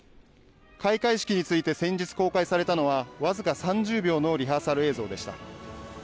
開会式について先日公開されたのは、僅か３０秒のリハーサル映像でした。